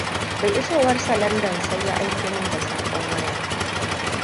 Da isowarsa Landan, sai ya aiko min da sakon waya.